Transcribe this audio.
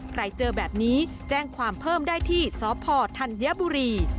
เจอแบบนี้แจ้งความเพิ่มได้ที่สพธัญบุรี